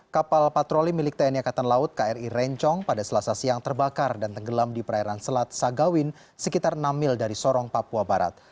kapal patroli milik tni angkatan laut kri rencong pada selasa siang terbakar dan tenggelam di perairan selat sagawin sekitar enam mil dari sorong papua barat